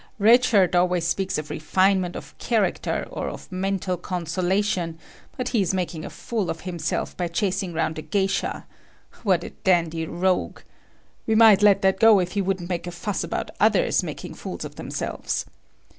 "Red Shirt always speaks of refinement of character or of mental consolation, but he is making a fool of himself by chasing round a geisha. What a dandy rogue. We might let that go if he wouldn't make fuss about others making fools of themselves.